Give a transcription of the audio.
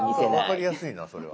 分かりやすいなそれは。